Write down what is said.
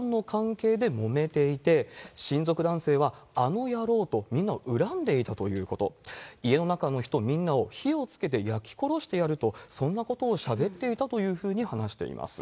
同じく近所の住民の方によりますと、財産の関係でもめていて、親族男性は、あの野郎と、みんなを恨んでいたということ、家の中の人みんなを、火をつけて焼き殺してやると、そんなことをしゃべっていたというふうに話しています。